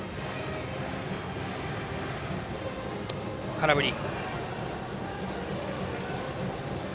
空振り。